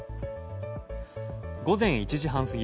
午前１時半過ぎ